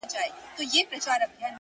ما په ژړغوني اواز دا يــوه گـيـله وكړه؛